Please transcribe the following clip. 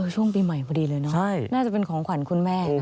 ช่วงปีใหม่พอดีเลยเนอะน่าจะเป็นของขวัญคุณแม่